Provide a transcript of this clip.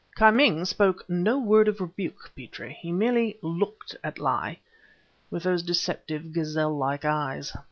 "Ki Ming spoke no word of rebuke, Petrie; he merely looked at Li, with those deceptive, gazelle like eyes.